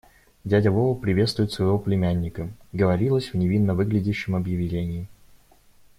«Дядя Вова приветствует своего племянника», - говорилось в невинно выглядевшем объявлении.